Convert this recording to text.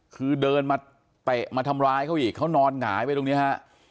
คือเดินมาเตะมาทำร้ายเขาอีกเขานอนหงายไปตรงนี้ฮะ